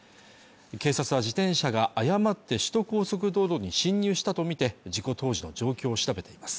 警察は自転車が誤って首都高速道路に進入したとみて事故当時の状況を調べています